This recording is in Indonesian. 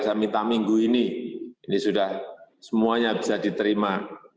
saya minta minggu ini ini sudah semuanya bisa diterima